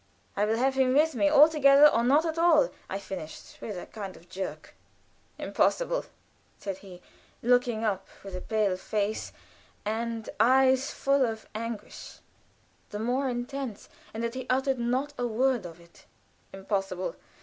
"I will have him with me altogether, or not at all," I finished, with a kind of jerk. "Impossible!" said he, looking up with a pale face, and eyes full of anguish the more intense in that he uttered not a word of it. "Impossible!